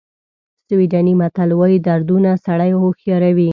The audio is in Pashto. سویډني متل وایي دردونه سړی هوښیاروي.